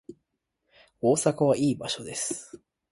大阪はいい場所です